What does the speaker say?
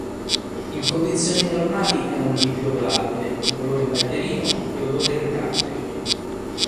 In condizioni normali è un liquido volatile di colore paglierino e odore irritante.